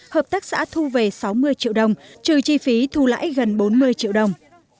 hợp tác xã thu về sáu mươi triệu đồng trừ chi phí thu lãi gần bốn mươi triệu đồng